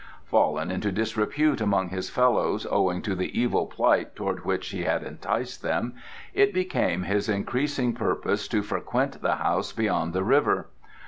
Fallen into disrepute among his fellows owing to the evil plight towards which he had enticed them, it became his increasing purpose to frequent the house beyond the river.